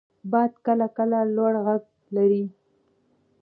• باد کله کله لوړ ږغ لري.